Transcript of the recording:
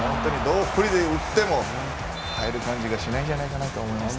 フリーで打っても入る感じがしないんじゃないかなと思います。